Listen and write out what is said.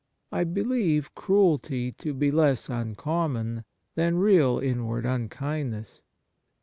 I believe cruelty to be less uncommon than real inward unkindness.